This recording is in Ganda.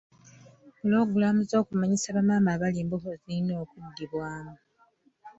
Pulogulaamu z'okumanyisa bamaama abali embuto zirina okuddibwamu.